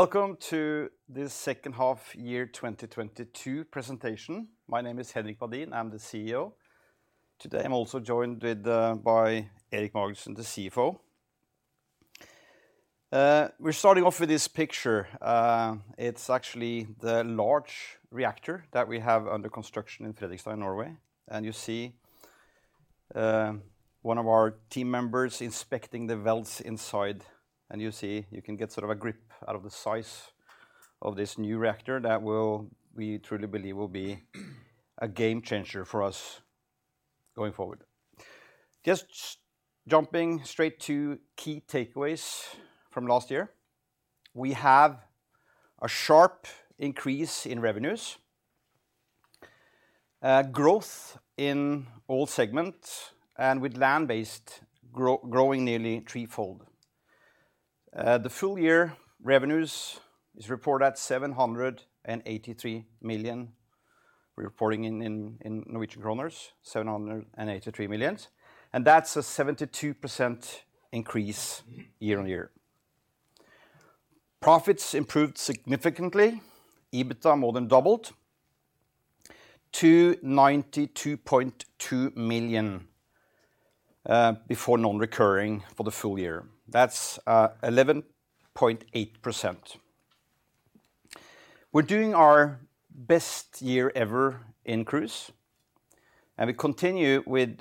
Welcome to the second half year 2022 presentation. My name is Henrik Badin. I'm the CEO. Today I'm also joined with by Erik Magnussen, the CFO. We're starting off with this picture. It's actually the large reactor that we have under construction in Fredrikstad, Norway. You see, one of our team members inspecting the valves inside, and you can get sort of a grip out of the size of this new reactor that will, we truly believe, will be a game changer for us going forward. Just jumping straight to key takeaways from last year. We have a sharp increase in revenues. Growth in all segments, and with land-based growing nearly 3x. The full year revenues is reported at 783 million. We're reporting in Norwegian kroners, 783 million. That's a 72% increase year-over-year. Profits improved significantly. EBITA more than doubled to 92.2 million before non-recurring for the full year. That's 11.8%. We're doing our best year ever in cruise, and we continue with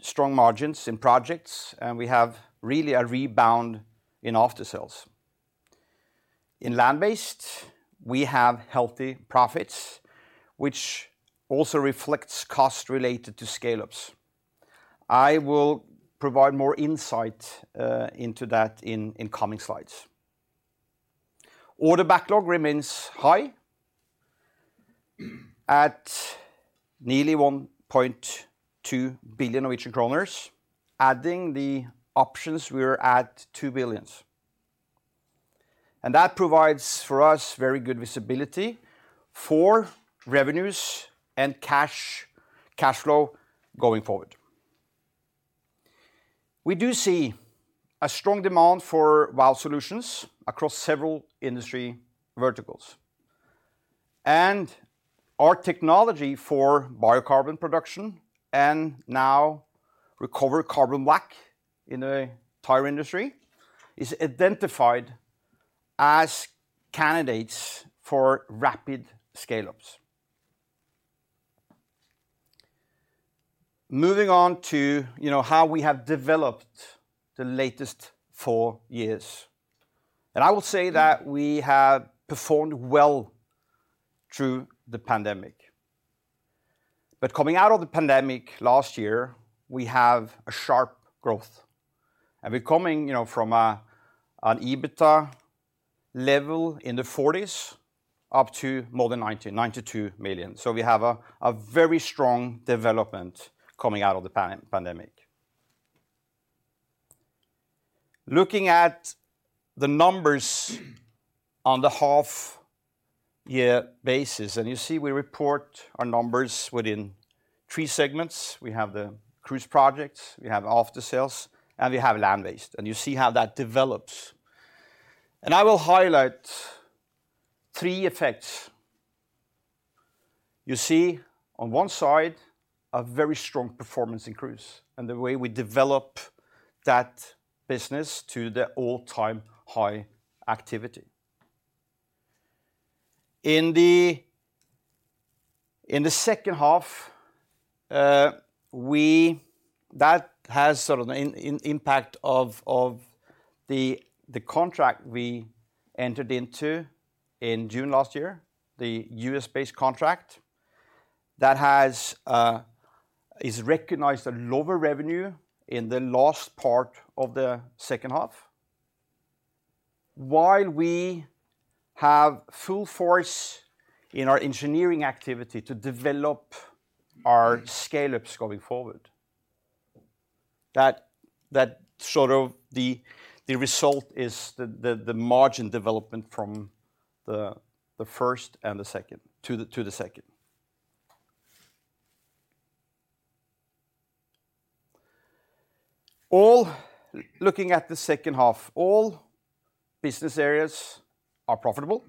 strong margins in projects, and we have really a rebound in aftersales. In land-based, we have healthy profits, which also reflects costs related to scale-ups. I will provide more insight into that in coming slides. Order backlog remains high at nearly 1.2 billion Norwegian kroner. Adding the options, we're at 2 billion. That provides, for us, very good visibility for revenues and cash flow going forward. We do see a strong demand for Vow solutions across several industry verticals. Our technology for biocarbon production, and now recovered carbon black in the tire industry, is identified as candidates for rapid scale-ups. Moving on to, you know, how we have developed the latest 4 years. I will say that we have performed well through the pandemic. Coming out of the pandemic last year, we have a sharp growth. We're coming, you know, from an EBITA level in the 40s up to more than 92 million. We have a very strong development coming out of the pan-pandemic. Looking at the numbers on the half-year basis, you see we report our numbers within 3 segments. We have the cruise projects, we have aftersales, and we have land-based. You see how that develops. I will highlight 3 effects. You see on one side a very strong performance in cruise and the way we develop that business to the all-time high activity. In the second half, That has sort of an impact of the contract we entered into in June last year, the US-based contract that is recognized at lower revenue in the last part of the second half. While we have full force in our engineering activity to develop our scale-ups going forward, that sort of the result is the margin development from the first and the second, to the second. Looking at the second half, all business areas are profitable.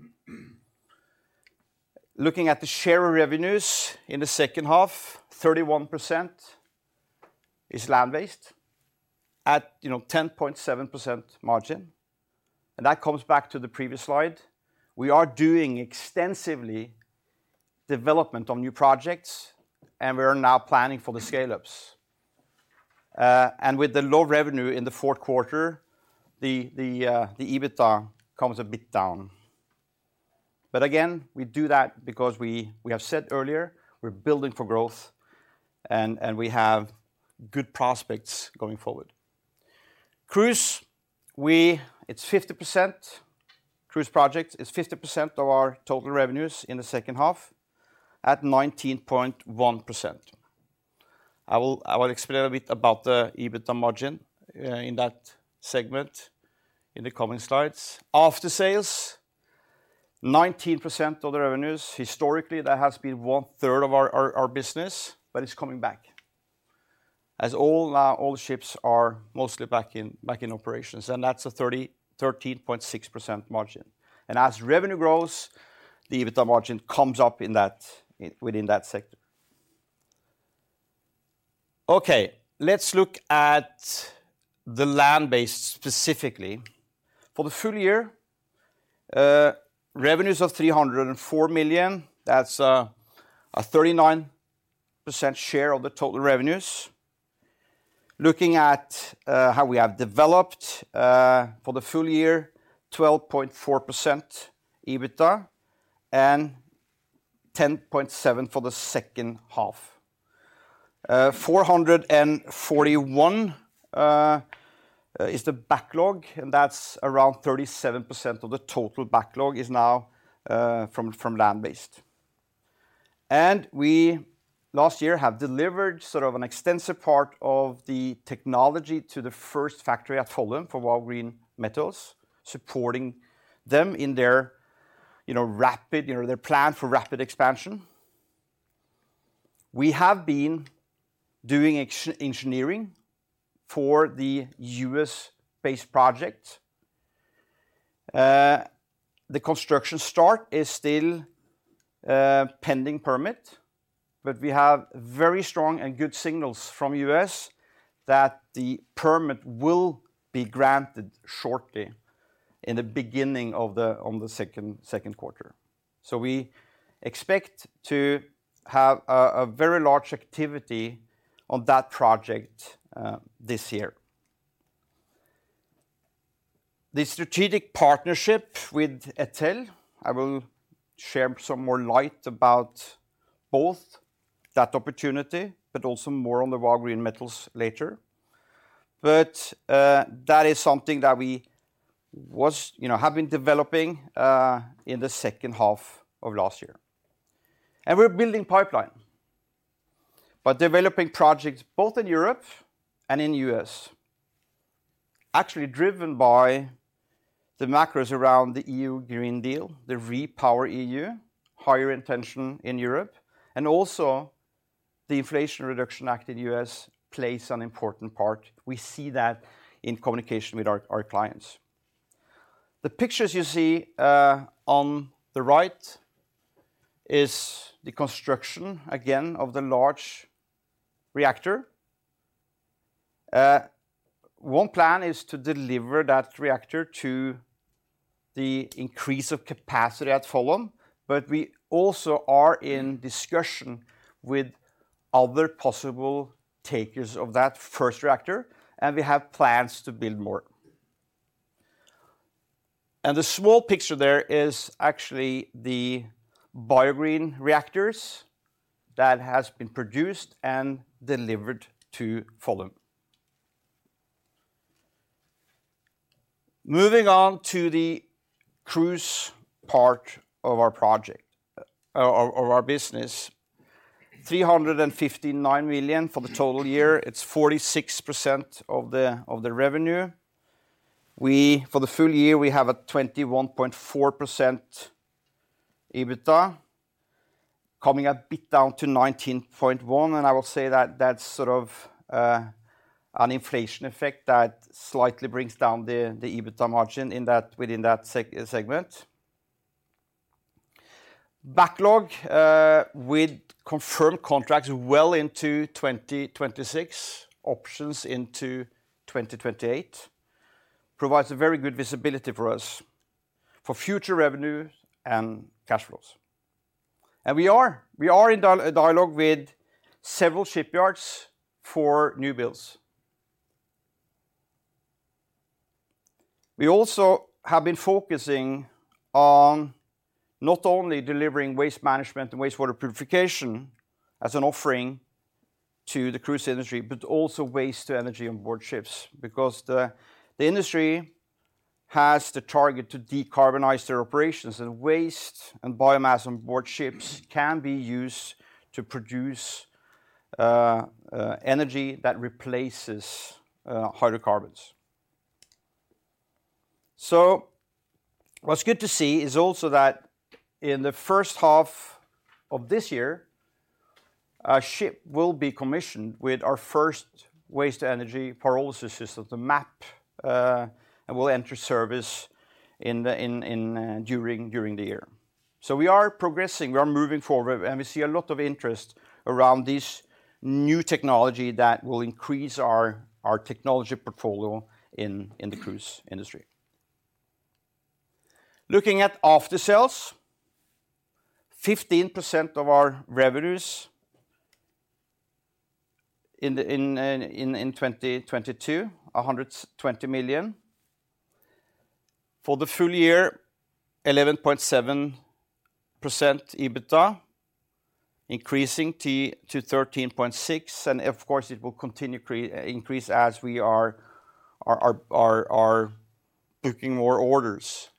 Looking at the share of revenues in the second half, 31% is land-based at, you know, 10.7% margin, and that comes back to the previous slide. We are doing extensively development on new projects, and we are now planning for the scale-ups. With the low revenue in the fourth quarter, the EBITA comes a bit down. Again, we do that because we have said earlier, we're building for growth and we have good prospects going forward. It's 50%. Cruise project is 50% of our total revenues in the second half at 19.1%. I will explain a bit about the EBITA margin in that segment in the coming slides. Aftersales, 19% of the revenues. Historically, that has been one third of our business, it's coming back as all ships are mostly back in operations, and that's a 13.6% margin. As revenue grows, the EBITDA margin comes up within that sector. Okay, let's look at the land-based specifically. For the full year, revenues of 304 million, that's a 39% share of the total revenues. Looking at how we have developed for the full year, 12.4% EBITDA and 10.7% for the second half. 441 is the backlog, and that's around 37% of the total backlog is now from land-based. We last year have delivered sort of an extensive part of the technology to the first factory at Follum for Vow Green Metals, supporting them in their, you know, rapid, their plan for rapid expansion. We have been doing engineering for the U.S.-based project. The construction start is still pending permit. We have very strong and good signals from U.S. that the permit will be granted shortly in the beginning of the second quarter. We expect to have a very large activity on that project this year. The strategic partnership with ETEL, I will share some more light about both that opportunity, but also more on the Vow Green Metals later. That is something that we, you know, have been developing in the second half of last year. We're building pipeline by developing projects both in Europe and in U.S., actually driven by the macros around the EU Green Deal, the REPowerEU, higher intention in Europe, and also the Inflation Reduction Act in the U.S. plays an important part. We see that in communication with our clients. The pictures you see on the right is the construction again of the large reactor. One plan is to deliver that reactor to the increase of capacity at Follum, but we also are in discussion with other possible takers of that first reactor, and we have plans to build more. The small picture there is actually the Biogreen reactors that has been produced and delivered to Follum. Moving on to the cruise part of our business, 359 million for the total year. It's 46% of the revenue. For the full year, we have a 21.4% EBITDA coming a bit down to 19.1%, and I will say that that's sort of an inflation effect that slightly brings down the EBITDA margin within that segment. Backlog, with confirmed contracts well into 2026, options into 2028, provides a very good visibility for us for future revenues and cash flows. We are in dialogue with several shipyards for new builds. We also have been focusing on not only delivering waste management and wastewater purification as an offering to the cruise industry, but also waste-to-energy onboard ships because the industry has the target to decarbonize their operations, and waste and biomass onboard ships can be used to produce energy that replaces hydrocarbons. What's good to see is also that in the first half of this year, a ship will be commissioned with our first waste-to-energy pyrolysis system, the MAP, and will enter service during the year. We are progressing, we are moving forward, and we see a lot of interest around this new technology that will increase our technology portfolio in the cruise industry. Looking at aftersales, 15% of our revenues in 2022, 120 million. For the full year, 11.7% EBITDA, increasing to 13.6%, of course, it will continue increase as we are booking more orders.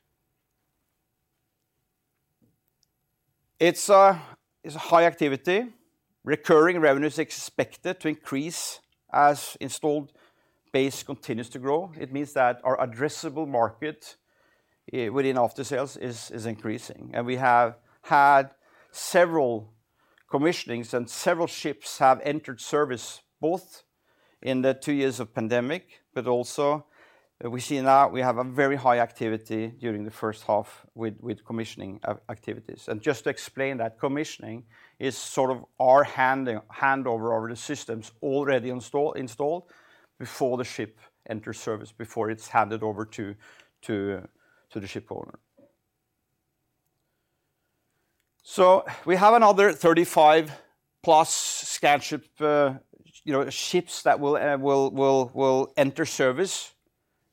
It's high activity. Recurring revenue is expected to increase as installed base continues to grow. It means that our addressable market within aftersales is increasing. We have had several commissionings and several ships have entered service, both in the 2 years of pandemic, but also we see now we have a very high activity during the first half with commissioning activities. Just to explain that commissioning is sort of our handover of the systems already installed before the ship enters service, before it's handed over to the ship owner. We have another 35 plus Scanship, you know, ships that will enter service.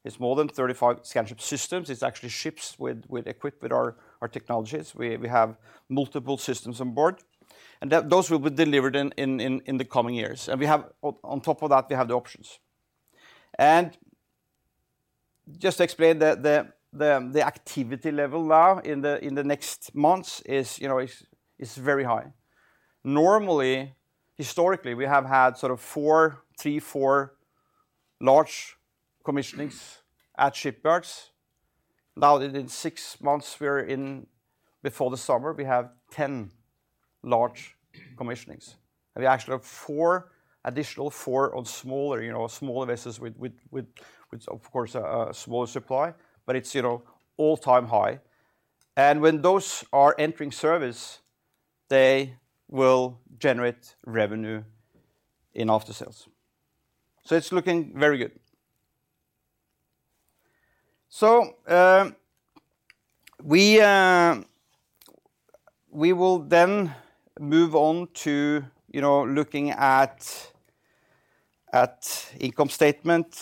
It's more than 35 Scanship systems. It's actually ships with equipped with our technologies. We have multiple systems on board, and those will be delivered in the coming years. On top of that, we have the options. Just to explain the activity level now in the next months is, you know, very high. Normally, historically, we have had sort of four, three, four large commissionings at shipyards. Now, in six months before the summer, we have 10 large commissionings. We actually have four, additional four on smaller, you know, smaller vessels with of course a smaller supply, but it's, you know, all-time high. When those are entering service, they will generate revenue in after sales. It's looking very good. We will then move on to, you know, looking at income statement,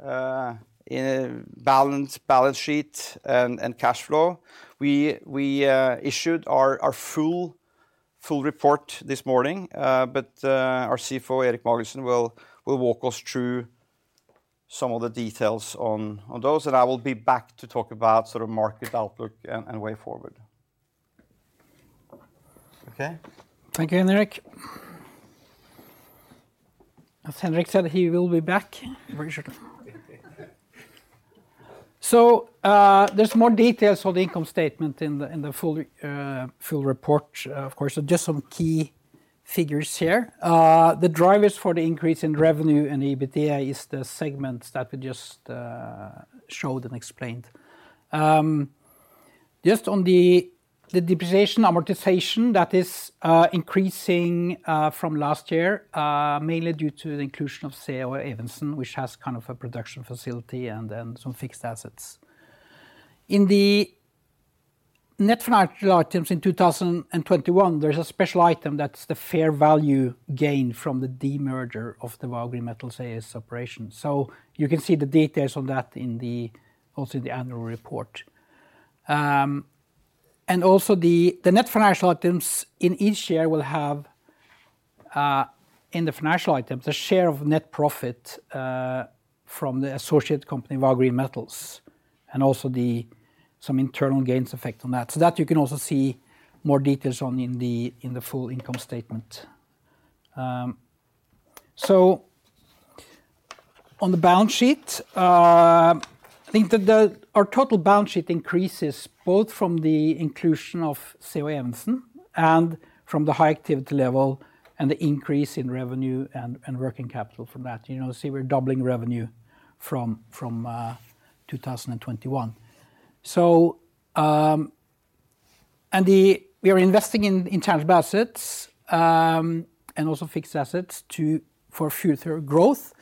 in a balance sheet and cash flow. We issued our full report this morning. Our CFO, Erik Magnussen, will walk us through some of the details on those, and I will be back to talk about sort of market outlook and way forward. Okay. Thank you, Henrik. As Henrik said, he will be back. There's more details on the income statement in the full report, of course. Just some key figures here. The drivers for the increase in revenue and EBITDA is the segments that we just showed and explained. Just on the depreciation, amortization, that is increasing from last year, mainly due to the inclusion of C.H. Evensen, which has kind of a production facility and then some fixed assets. In the net financial items in 2021, there is a special item that's the fair value gain from the demerger of the Vow Green Metals AS operation. You can see the details of that also in the annual report. Also the net financial items in each year will have in the financial items, a share of net profit from the associate company, Vow Green Metals, and also some internal gains effect on that. That you can also see more details on in the full income statement. On the balance sheet, I think that our total balance sheet increases both from the inclusion of C.H. Evensen and from the high activity level and the increase in revenue and working capital from that. You know, see we're doubling revenue from 2021. We are investing in intangible assets and also fixed assets for future growth.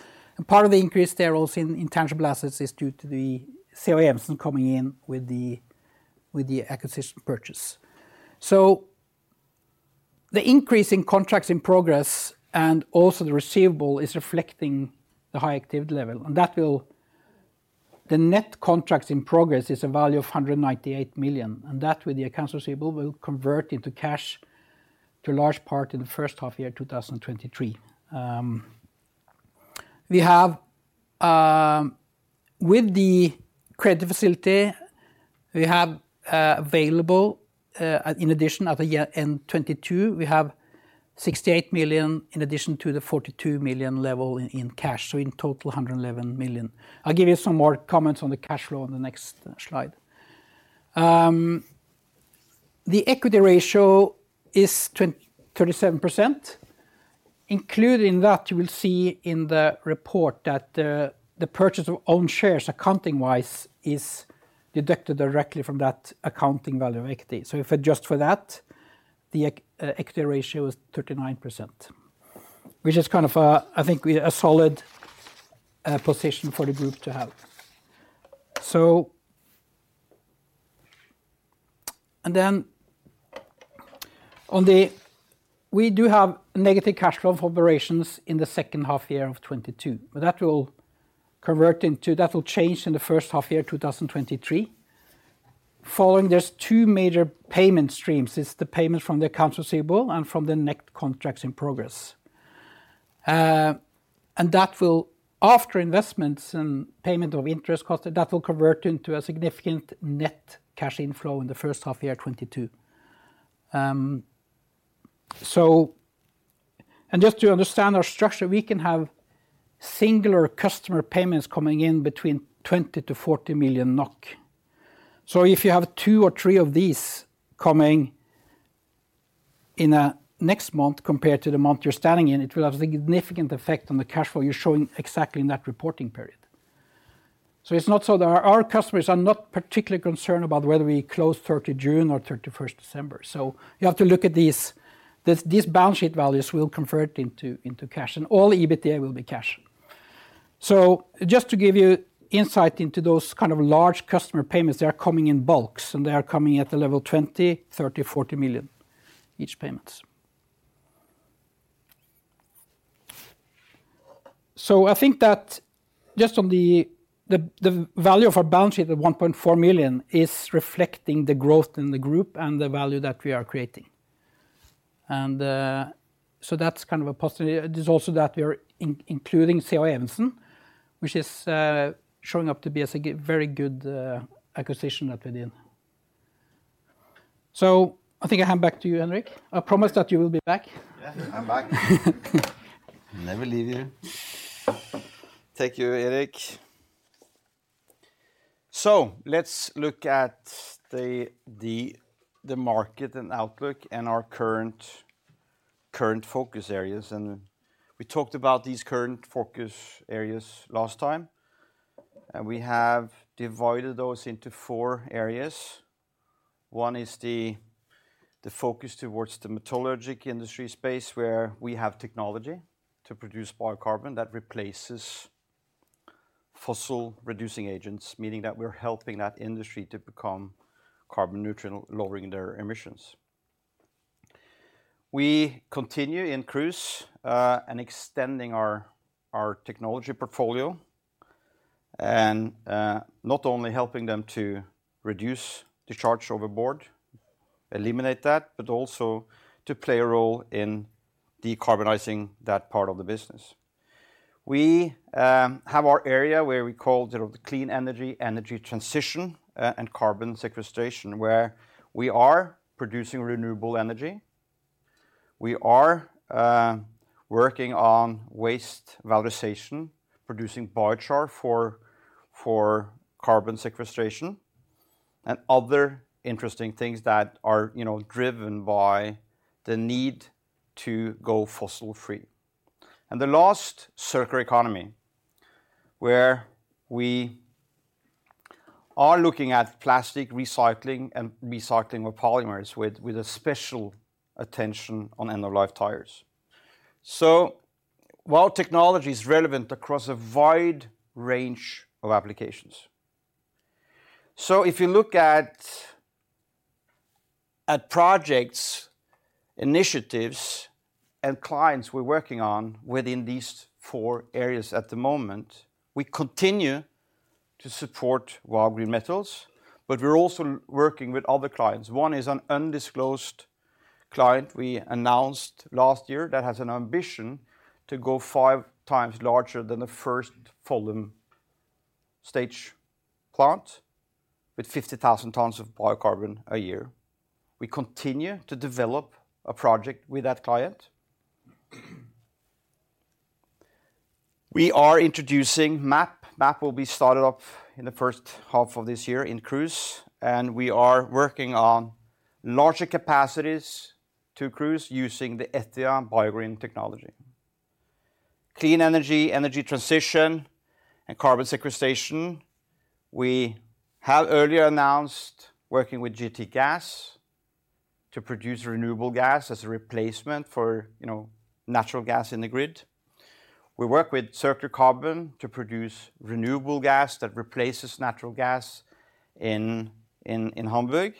Part of the increase there also in intangible assets is due to the C.H. Evensen coming in with the acquisition purchase. The increase in contracts in progress and also the receivable is reflecting the high activity level, and that will. The net contracts in progress is a value of 198 million, and that with the accounts receivable will convert into cash to a large part in the first half 2023. We have with the credit facility, we have available in addition at the year-end 2022, we have 68 million in addition to the 42 million level in cash. In total, 111 million. I'll give you some more comments on the cash flow on the next slide. The equity ratio is 37%. Included in that, you will see in the report that the purchase of own shares, accounting-wise, is deducted directly from that accounting value of equity. If adjust for that, the equity ratio is 39%, which is kind of a, I think a solid position for the group to have. We do have negative cash flow from operations in the second half year of 2022, but that will change in the first half year 2023. Following, there's 2 major payment streams. It's the payment from the accounts receivable and from the net contracts in progress. That will, after investments and payment of interest costs, that will convert into a significant net cash inflow in the first half year 2022. Just to understand our structure, we can have singular customer payments coming in between 20 million-40 million NOK. If you have two or three of these coming in next month compared to the month you're standing in, it will have a significant effect on the cash flow you're showing exactly in that reporting period. It's not so that our customers are not particularly concerned about whether we close 30 June or 31st December. You have to look at these balance sheet values we'll convert into cash, and all the EBITDA will be cash. Just to give you insight into those kind of large customer payments, they are coming in bulks, and they are coming at the level 20 million, 30 million, 40 million each payments. I think that just on the value of our balance sheet at 1.4 million is reflecting the growth in the group and the value that we are creating. That's kind of a possibility. There's also that we are including C.H. Evensen, which is showing up to be as a very good acquisition that we did. I think I hand back to you, Henrik. I promise that you will be back. Yeah, I'm back. Never leave you. Thank you, Erik. Let's look at the market and outlook and our current focus areas. We talked about these current focus areas last time, and we have divided those into 4 areas. One is the focus towards the metallurgic industry space, where we have technology to produce biocarbon that replaces fossil-reducing agents, meaning that we're helping that industry to become carbon neutral, lowering their emissions. We continue in cruise, and extending our technology portfolio and not only helping them to reduce discharge overboard, eliminate that, but also to play a role in decarbonizing that part of the business. We have our area where we call sort of the clean energy transition, and carbon sequestration, where we are producing renewable energy. We are working on waste valorization, producing biochar for carbon sequestration and other interesting things that are, you know, driven by the need to go fossil-free. The last, circular economy, where we are looking at plastic recycling and recycling of polymers with a special attention on end-of-life tires. While technology is relevant across a wide range of applications, if you look at projects, initiatives, and clients we're working on within these four areas at the moment, we continue to support Vow Green Metals, but we're also working with other clients. One is an undisclosed client we announced last year that has an ambition to go 5x larger than the first Follum stage plant with 50,000 tons of biocarbon a year. We continue to develop a project with that client. We are introducing MAP. MAP will be started up in the first half of this year in cruise. We are working on larger capacities to cruise using the ETIA Biogreen technology. Clean energy transition, and carbon sequestration. We have earlier announced working with GRTgaz to produce renewable gas as a replacement for, you know, natural gas in the grid. We work with Circular Carbon to produce renewable gas that replaces natural gas in Hamburg.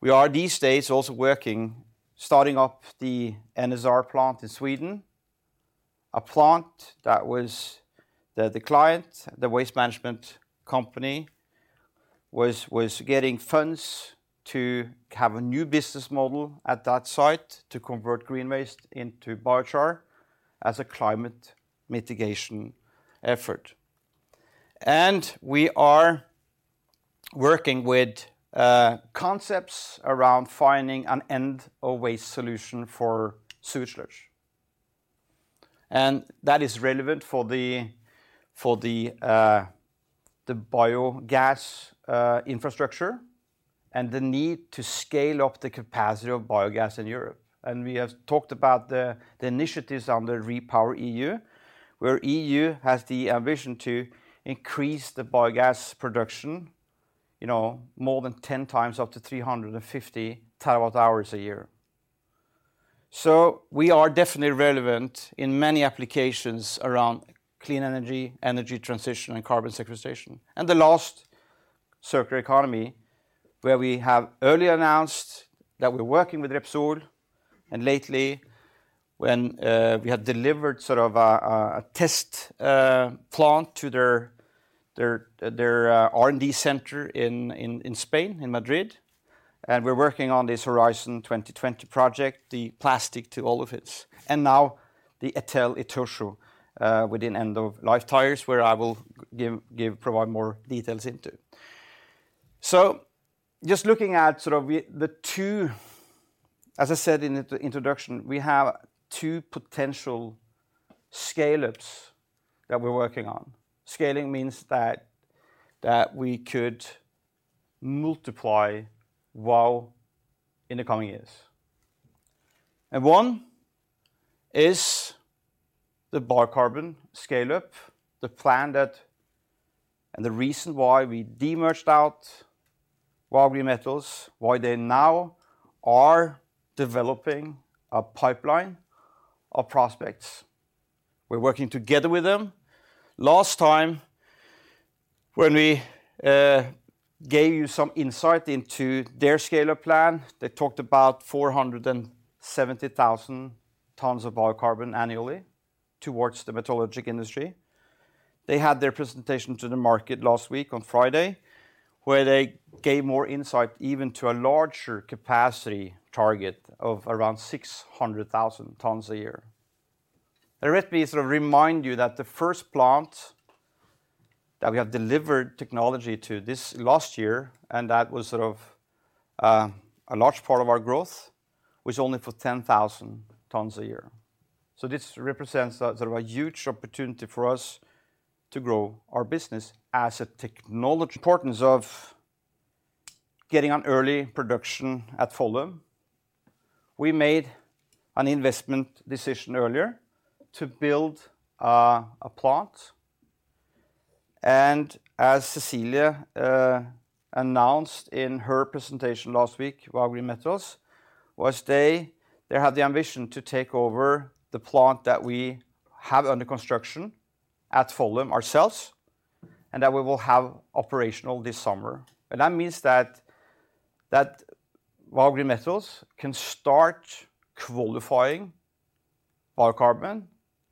We are these days also working, starting up the NSR plant in Sweden, a plant that was the client, the waste management company was getting funds to have a new business model at that site to convert green waste into biochar as a climate mitigation effort. We are working with concepts around finding an end of waste solution for sewage sludge. That is relevant for the, for the biogas infrastructure and the need to scale up the capacity of biogas in Europe. We have talked about the initiatives under REPowerEU, where EU has the ambition to increase the biogas production, you know, more than 10x up to 350 TWh a year. We are definitely relevant in many applications around clean energy transition, and carbon sequestration. The last, circular economy, where we have earlier announced that we're working with Repsol and lately when we had delivered sort of a test plant to their R&D center in Spain, in Madrid, and we're working on this Horizon 2020 project, the plastic to oils, and now the ETEL Itochu within end-of-life tires, where I will provide more details into. Just looking at sort of the two, as I said in the introduction, we have two potential scale-ups that we're working on. Scaling means that we could multiply Vow in the coming years. One is the biocarbon scale-up, and the reason why we de-merged out Vow Green Metals, why they now are developing a pipeline of prospects. We're working together with them. Last time when we gave you some insight into their scale-up plan, they talked about 470,000 tons of biocarbon annually towards the metallurgic industry. They had their presentation to the market last week on Friday, where they gave more insight even to a larger capacity target of around 600,000 tons a year. Let me sort of remind you that the first plant that we have delivered technology to this last year, and that was sort of a large part of our growth, was only for 10,000 tons a year. This represents a, sort of a huge opportunity for us to grow our business as a technology. Importance of getting on early production at Follum. We made an investment decision earlier to build a plant and as Cecilie announced in her presentation last week, Vow Green Metals, they had the ambition to take over the plant that we have under construction at Follum ourselves, and that we will have operational this summer. That means that Vow Green Metals can start qualifying biocarbon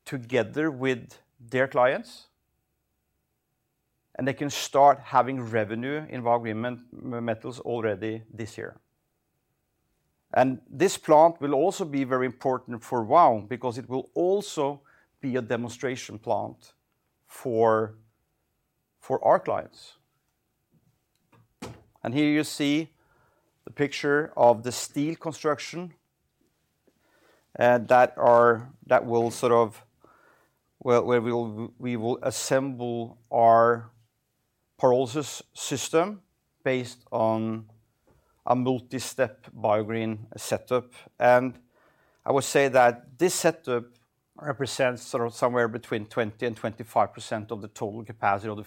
together with their clients, and they can start having revenue in Vow Green Metals already this year. This plant will also be very important for Vow, because it will also be a demonstration plant for our clients. Here you see the picture of the steel construction that will sort of where we will assemble our pyrolysis system based on a multi-step biogreen setup. I would say that this setup represents sort of somewhere between 20% and 25% of the total capacity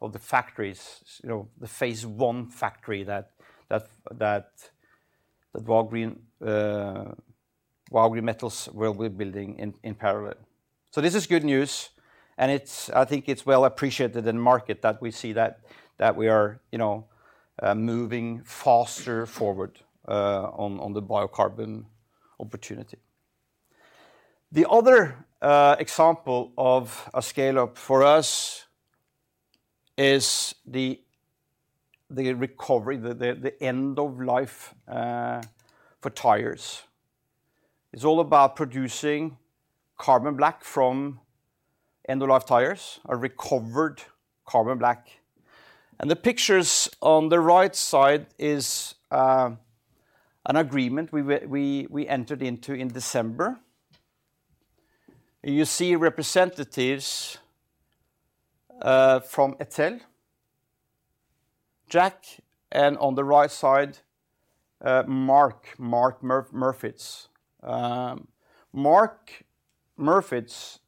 of the factories, you know, the phase one factory that Vow Green Metals will be building in parallel. This is good news, and I think it's well appreciated in the market that we see that we are, you know, moving faster forward on the biocarbon opportunity. The other example of a scale-up for us is the recovery, the end-of-life tires. It's all about producing carbon black from end-of-life tires, a recovered carbon black. The pictures on the right side is an agreement we entered into in December. You see representatives from ETEL, Jack, and on the right side, Mark Murfitts. Mark Murfitts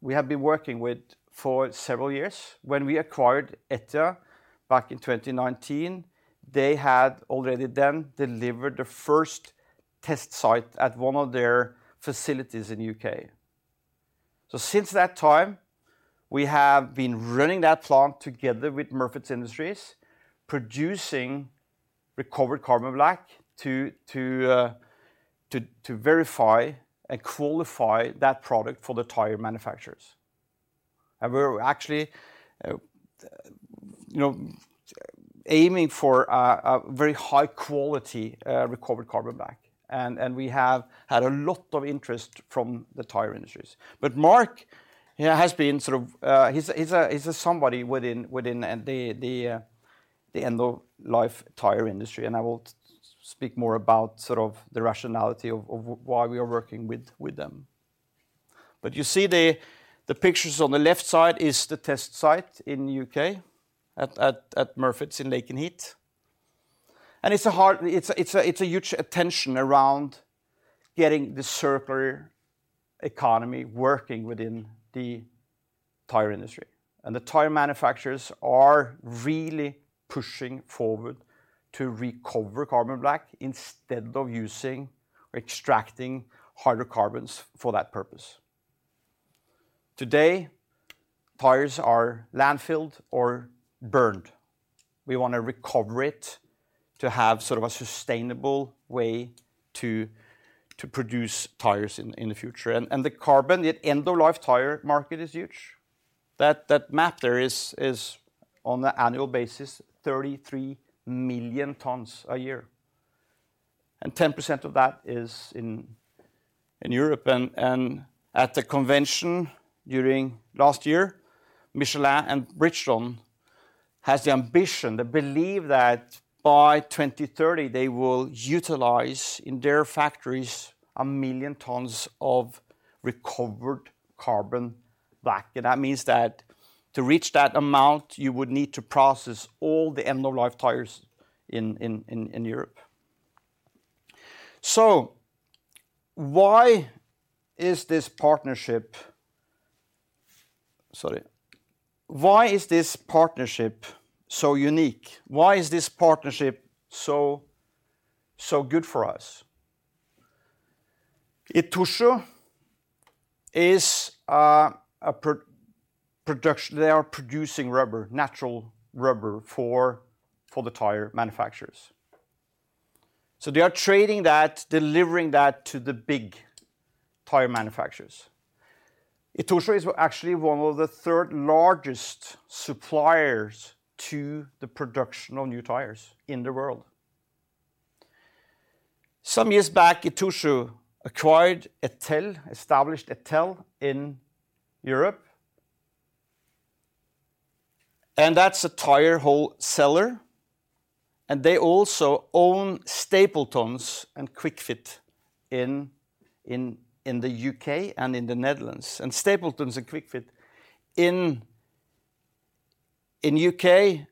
we have been working with for several years. When we acquired ETIA back in 2019, they had already then delivered the first test site at one of their facilities in U.K. Since that time, we have been running that plant together with Murfitts Industries, producing recovered carbon black to verify and qualify that product for the tire manufacturers. We're actually, you know, aiming for a very high quality recovered carbon black. We have had a lot of interest from the tire industries. Mark, you know, has been sort of, he's a somebody within the end-of-life tire industry, and I will speak more about sort of the rationality of why we are working with them. You see the pictures on the left side is the test site in U.K. at, at Murfitts in Lakenheath. It's a huge attention around getting the circular economy working within the tire industry. The tire manufacturers are really pushing forward to recover carbon black instead of using or extracting hydrocarbons for that purpose. Today, tires are landfilled or burned. We want to recover it to have sort of a sustainable way to produce tires in the future. The carbon, the end-of-life tire market is huge. That MAP there is on an annual basis, 33 million tons a year. 10% of that is in Europe and at the convention during last year, Michelin and Bridgestone have the ambition, the belief that by 2030 they will utilize in their factories 1 million tons of recovered carbon black. That means that to reach that amount, you would need to process all the end-of-life tires in Europe. Why is this partnership... Sorry. Why is this partnership so unique? Why is this partnership so good for us? Itochu. They are producing rubber, natural rubber for the tire manufacturers. They are trading that, delivering that to the big tire manufacturers. Itochu is actually one of the 3rd largest suppliers to the production of new tires in the world. Some years back, Itochu acquired ETEL, established ETEL in Europe. That's a tire wholesaler, and they also own Stapletons and Kwik Fit in the UK and in the Netherlands. Stapletons and Kwik Fit in UK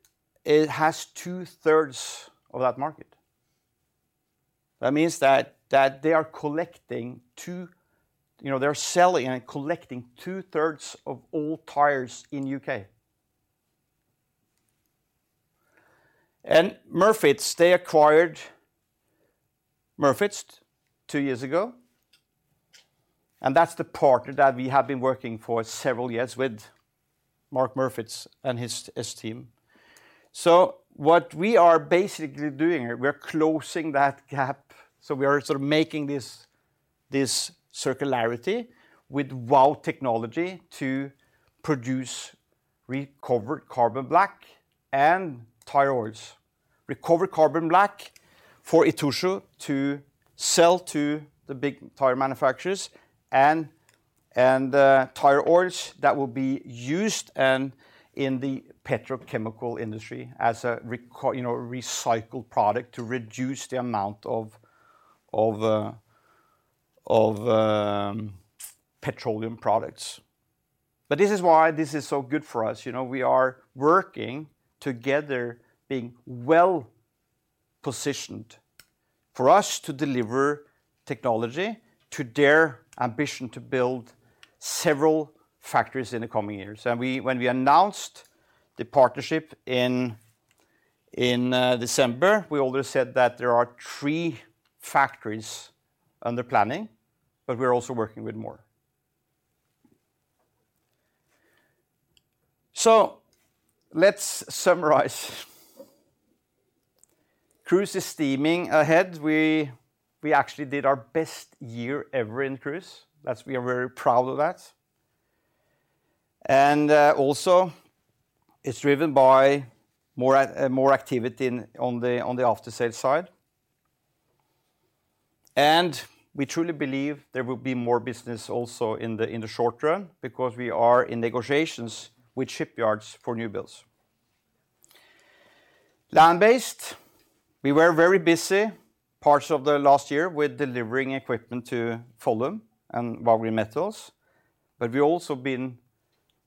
it has 2/3 of that market. That means that they are collecting, you know, they are selling and collecting 2/3 of all tires in UK. Murfitts, they acquired Murfitts 2 years ago, and that's the partner that we have been working for several years with Mark Murfitts and his team. What we are basically doing here, we're closing that gap, so we are sort of making this circularity with Vow technology to produce recovered carbon black and tire oils. Recovered carbon black for Itochu to sell to the big tire manufacturers and tire oils that will be used in the petrochemical industry as a you know, recycled product to reduce the amount of petroleum products. This is why this is so good for us. You know, we are working together, being well-positioned for us to deliver technology to their ambition to build several factories in the coming years. We, when we announced the partnership in December, we already said that there are three factories under planning, but we're also working with more. Let's summarize. Cruise is steaming ahead. We actually did our best year ever in Cruise. We are very proud of that. Also it's driven by more activity on the after-sale side. We truly believe there will be more business also in the, in the short run because we are in negotiations with shipyards for new builds. Land-based, we were very busy parts of the last year with delivering equipment to Follum and Vow Green Metals. We also been,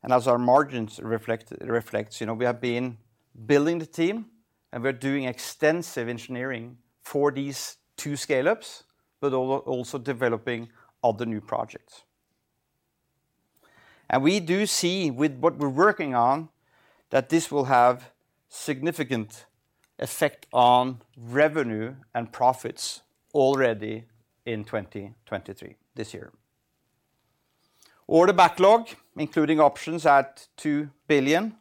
and as our margins reflects, you know, we have been building the team and we're doing extensive engineering for these two scale-ups, but also developing other new projects. We do see with what we're working on that this will have significant effect on revenue and profits already in 2023, this year. Order backlog, including options at 2 billion.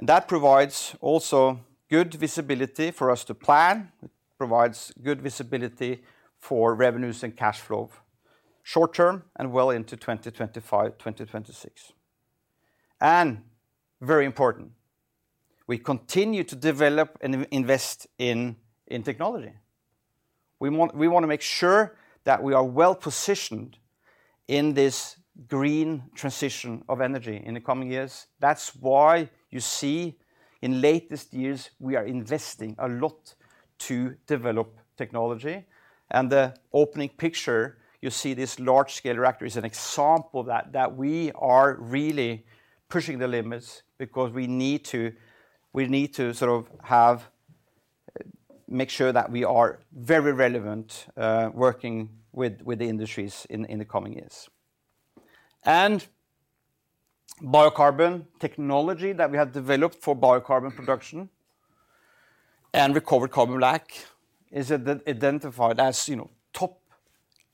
That provides also good visibility for us to plan. It provides good visibility for revenues and cash flow short term and well into 2025, 2026. Very important, we continue to develop and invest in technology. We want to make sure that we are well-positioned in this green transition of energy in the coming years. That's why you see in latest years we are investing a lot to develop technology. The opening picture, you see this large-scale reactor is an example that we are really pushing the limits because we need to sort of make sure that we are very relevant working with the industries in the coming years. Biocarbon technology that we have developed for biocarbon production and recovered carbon black is identified as, you know, top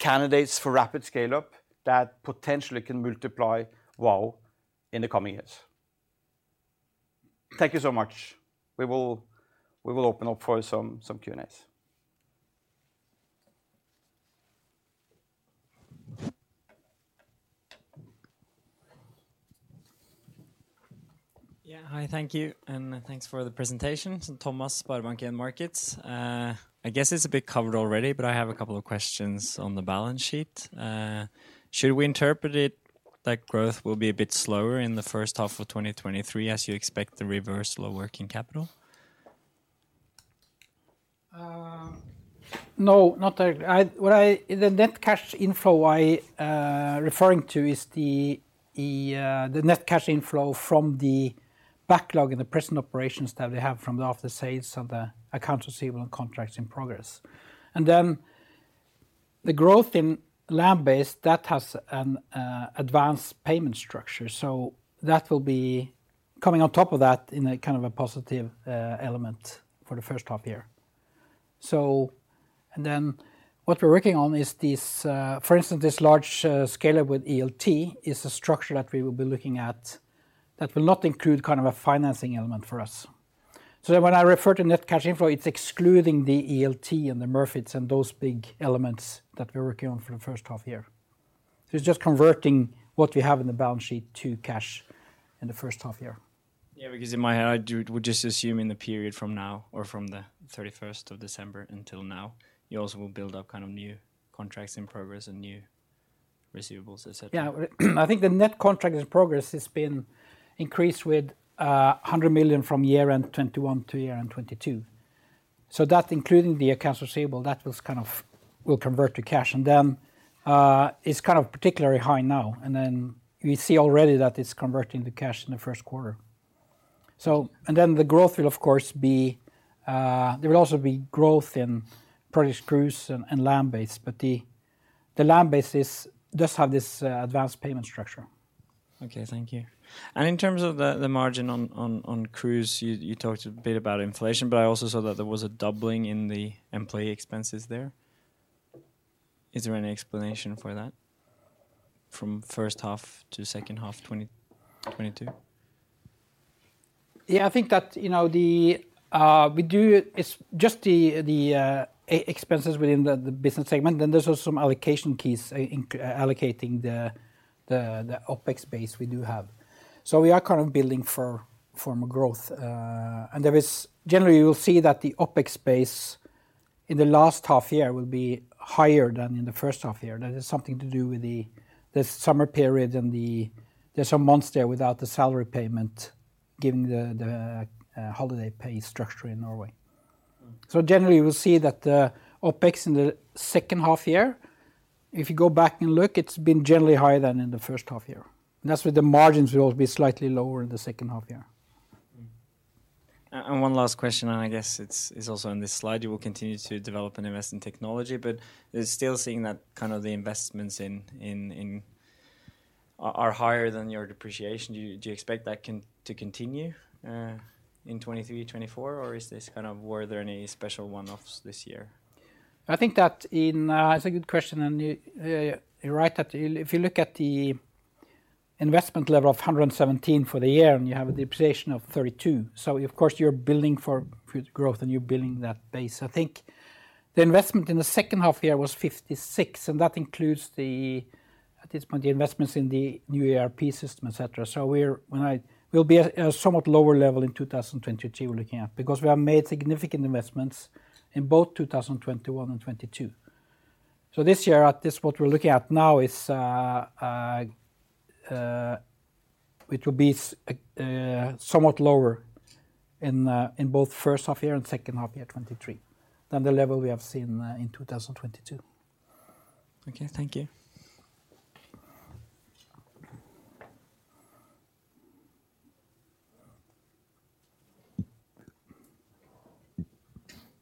candidates for rapid scale-up that potentially can multiply Vow in the coming years. Thank you so much. We will open up for some Q&As. Yeah. Hi. Thank you, and thanks for the presentation. Thomas, SpareBank 1 Markets. I guess it's a bit covered already, but I have a couple of questions on the balance sheet. Should we interpret it that growth will be a bit slower in the first half of 2023 as you expect the reversal of working capital? No, not that. What I The net cash inflow I referring to is the the net cash inflow from the backlog in the prison operations that we have from after sales of the accounts receivable and contracts in progress. The growth in land-based, that has an advanced payment structure, so that will be coming on top of that in a kind of a positive element for the first half year. What we're working on is this for instance, this large scale-up with ELT is a structure that we will be looking at that will not include kind of a financing element for us. When I refer to net cash inflow, it's excluding the ELT and the Murfitts and those big elements that we're working on for the first half year. It's just converting what we have in the balance sheet to cash in the first half year. Yeah, because in my head, I would just assume in the period from now or from the 31st of December until now, you also will build up kind of new contracts in progress and new receivables, et cetera. Yeah. I think the net contract in progress has been increased with 100 million from year-end 2021 to year-end 2022. That including the accounts receivable, that will convert to cash. It's kind of particularly high now, and then we see already that it's converting to cash in the first quarter. The growth will of course be, there will also be growth in project crews and land-based, but the land-based does have this advanced payment structure. Okay, thank you. In terms of the margin on crews, you talked a bit about inflation, but I also saw that there was a doubling in the employee expenses there. Is there any explanation for that from first half to second half 2022? Yeah, I think that, you know, the, it's just the, e-expenses within the business segment, then there's also some allocation keys in-allocating the, the OpEx base we do have. We are kind of building for more growth. Generally, you'll see that the OpEx base in the last half year will be higher than in the first half year. That has something to do with the summer period and the there's some months there without the salary payment given the, holiday pay structure in Norway. Generally, you will see that the OpEx in the second half year, if you go back and look, it's been generally higher than in the first half year. That's where the margins will be slightly lower in the second half year. Mm-hmm. One last question, and I guess it's also in this slide. You will continue to develop and invest in technology, is still seeing that kind of the investments in are higher than your depreciation. Do you expect that to continue in 2023, 2024, or is this kind of were there any special one-offs this year? I think that in. It's a good question, and you're right that if you look at the investment level of 117 for the year, and you have a depreciation of 32, so of course you're building for future growth, and you're building that base. I think the investment in the second half year was 56, and that includes the, at this point, the investments in the new ERP system, et cetera. We'll be at a somewhat lower level in 2022, we're looking at, because we have made significant investments in both 2021 and 2022. This year, at this, what we're looking at now is, it will be somewhat lower in both first half year and second half year 2023 than the level we have seen in 2022. Okay, thank you.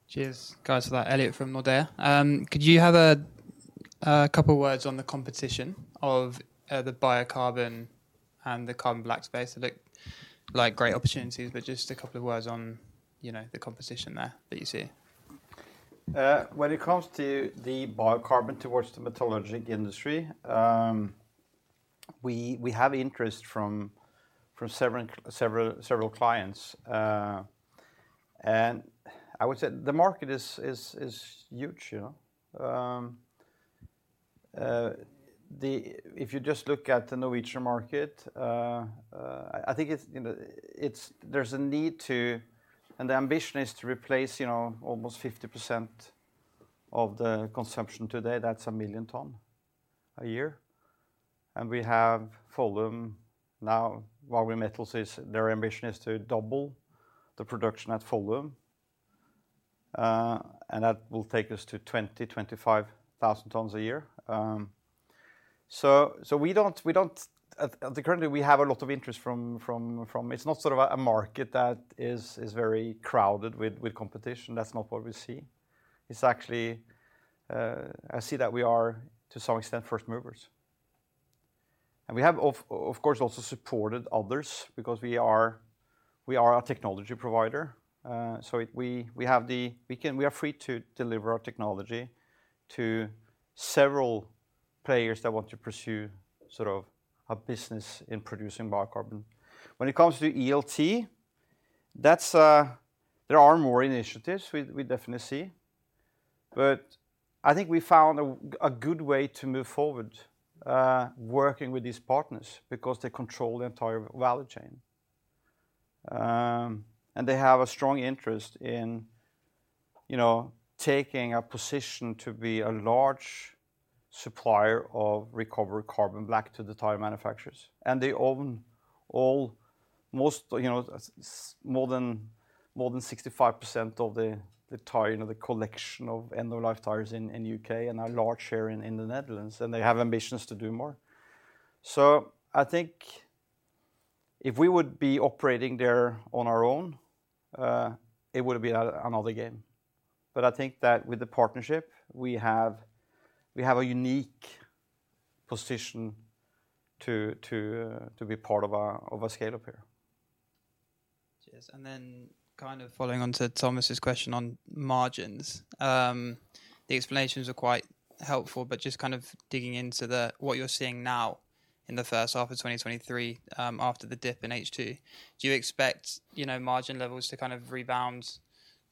Cheers, guys, for that. Elliott from Nordea. Could you have a couple words on the competition of the biocarbon and the carbon black space? Just a couple of words on, you know, the competition there that you see. When it comes to the biocarbon towards the metallurgy industry, we have interest from several clients. I would say the market is huge, you know. If you just look at the Norwegian market, I think it's, you know, there's a need to, and the ambition is to replace, you know, almost 50% of the consumption today. That's a million tons a year. We have volume now, while Vow Green Metals is, their ambition is to double the production at volume. That will take us to 20,000-25,000 tons a year. Currently, we have a lot of interest from. It's not sort of a market that is very crowded with competition. That's not what we see. It's actually, I see that we are, to some extent, first movers. We have, of course, also supported others because we are, we are a technology provider. We have the. We are free to deliver our technology to several players that want to pursue sort of a business in producing biocarbon. When it comes to ELT, that's, there are more initiatives we definitely see. I think we found a good way to move forward, working with these partners because they control the entire value chain. They have a strong interest in, you know, taking a position to be a large supplier of recovered carbon black to the tire manufacturers. They own most, you know, more than 65% of the tire, you know, the collection of end-of-life tires in UK, and a large share in the Netherlands, and they have ambitions to do more. I think if we would be operating there on our own, it would be another game. I think that with the partnership we have, we have a unique position to be part of a scale-up here. Cheers. Kind of following on to Thomas's question on margins, the explanations are quite helpful, but just kind of digging into what you're seeing now in the first half of 2023, after the dip in H2, do you expect, you know, margin levels to kind of rebound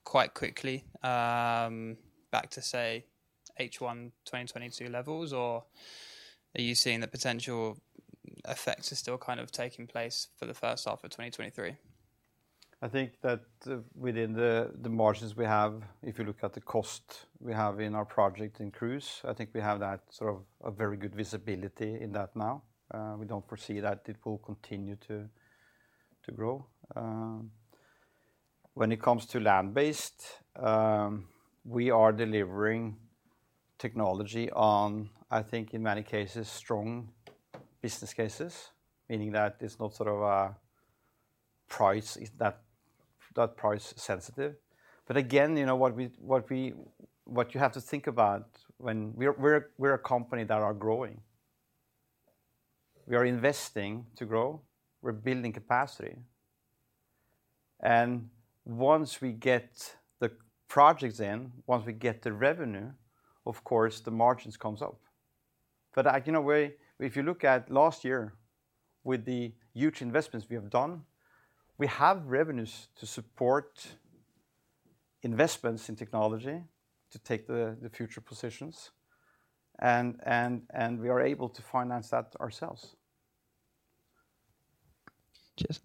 quite quickly, back to, say, H1 2022 levels? Or are you seeing the potential effects are still kind of taking place for the first half of 2023? I think that, within the margins we have, if you look at the cost we have in our project in Cruise, I think we have that sort of a very good visibility in that now. We don't foresee that it will continue to grow. When it comes to land-based, we are delivering technology on, I think in many cases, strong business cases, meaning that it's not that price sensitive. Again, you know, what you have to think about when we're a company that are growing. We are investing to grow. We're building capacity. Once we get the projects in, once we get the revenue, of course the margins comes up. I, you know, if you look at last year with the huge investments we have done, we have revenues to support investments in technology to take the future positions and we are able to finance that ourselves. Cheers.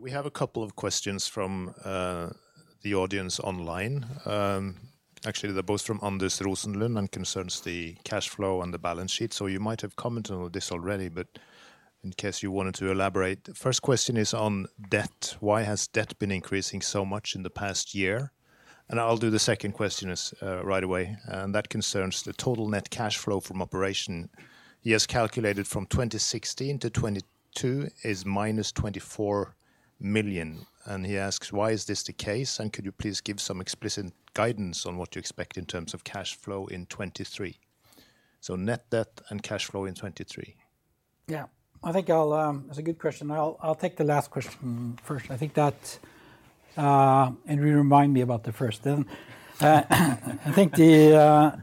We have a couple of questions from the audience online. Actually, they're both from Anders Rosenlund and concerns the cash flow and the balance sheet. You might have commented on this already, but in case you wanted to elaborate, the first question is on debt. Why has debt been increasing so much in the past year? I'll do the second question as right away, and that concerns the total net cash flow from operation he has calculated from 2016 to 2022 is -24 million. He asks, "Why is this the case? And could you please give some explicit guidance on what you expect in terms of cash flow in 2023?" Net debt and cash flow in 2023. Yeah. I think I'll... That's a good question. I'll take the last question first. I think that... Remind me about the first then. I think the,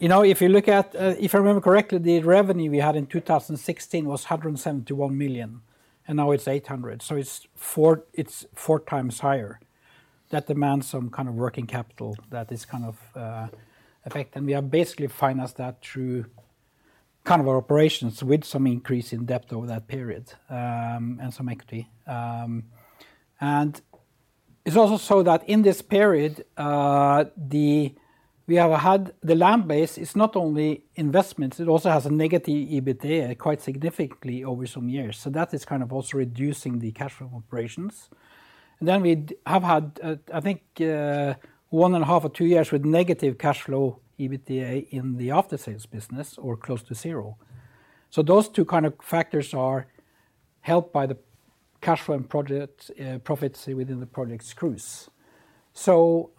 you know, if you look at, if I remember correctly, the revenue we had in 2016 was 171 million, and now it's 800 million, so it's four times higher. That demands some kind of working capital that is kind of, effect, and we have basically financed that through kind of our operations with some increase in debt over that period, and some equity. It's also so that in this period, the land base is not only investments, it also has a negative EBITDA quite significantly over some years. That is kind of also reducing the cash flow operations. We have had, I think, one and a half or two years with negative cash flow EBITDA in the after sales business or close to zero. Those two kind of factors are helped by the cash flow and project profits within the project screws. All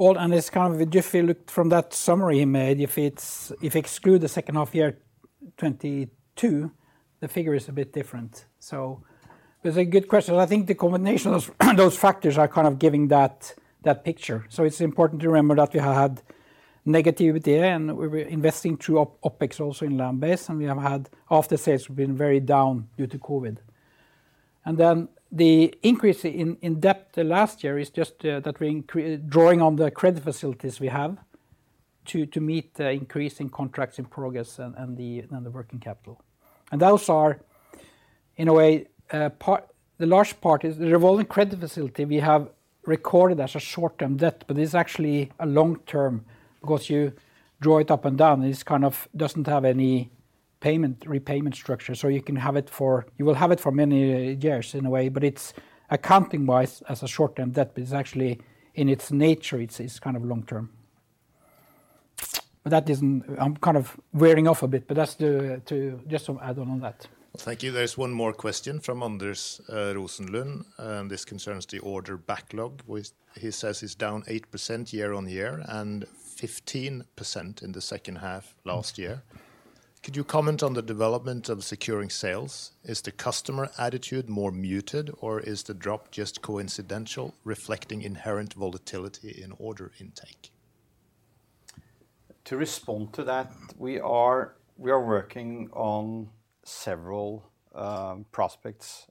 and it's kind of if you look from that summary he made, if you exclude the second half year 2022, the figure is a bit different. That's a good question. I think the combination of those factors are kind of giving that picture. It's important to remember that we have had negative EBITDA, and we're investing through OpEx also in land base, and we have had after sales been very down due to COVID. The increase in debt last year is just, that we're drawing on the credit facilities we have to meet the increasing contracts in progress and the, and the working capital. Those are, in a way, part... The large part is the revolving credit facility we have recorded as a short-term debt, but it's actually a long-term because you draw it up and down, and it's kind of doesn't have any payment, repayment structure. You will have it for many years in a way, but it's accounting-wise as a short-term debt, but it's actually, in its nature, it's kind of long-term. That isn't... I'm kind of wearing off a bit, but that's the, to just to add on that. Thank you. There's one more question from Anders Rosenlund. This concerns the order backlog, which he says is down 8% year-over-year and 15% in the second half last year. Could you comment on the development of securing sales? Is the customer attitude more muted, or is the drop just coincidental, reflecting inherent volatility in order intake? To respond to that, we are working on several prospects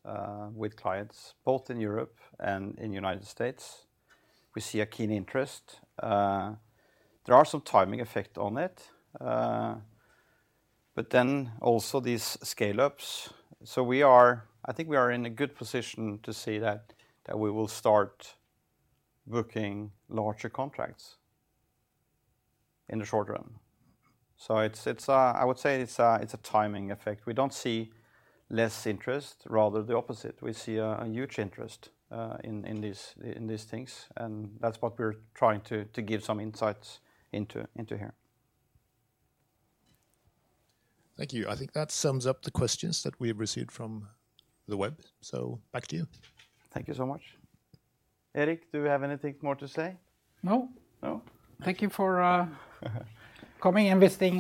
with clients both in Europe and in United States. We see a keen interest. There are some timing effect on it, also these scale-ups. We are, I think we are in a good position to see that we will start booking larger contracts in the short run. It's, I would say it's a timing effect. We don't see less interest, rather the opposite. We see a huge interest in these things, and that's what we're trying to give some insights into here. Thank you. I think that sums up the questions that we have received from the web. Back to you. Thank you so much. Erik, do you have anything more to say? No. No? Thank you for coming and visiting,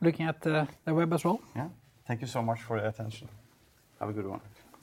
looking at the web as well. Yeah. Thank you so much for your attention. Have a good one.